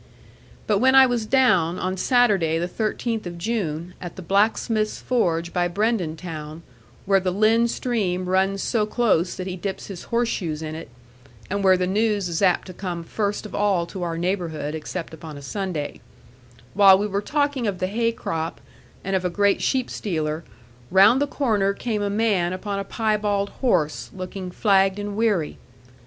But when I was down, on Saturday the thirteenth of June, at the blacksmith's forge by Brendon town, where the Lynn stream runs so close that he dips his horseshoes in it, and where the news is apt to come first of all to our neighbourhood (except upon a Sunday), while we were talking of the hay crop, and of a great sheep stealer, round the corner came a man upon a piebald horse looking flagged and weary.